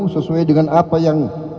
sesuai dengan apa yang dilakukan oleh kpu